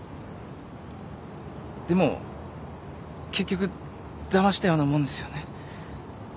でも結局だましたようなもんですよね。